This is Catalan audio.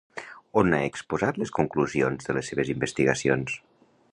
On ha exposat les conclusions de les seves investigacions?